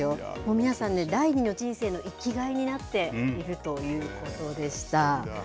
皆さんね、第二の人生の生きがいになっているということでした。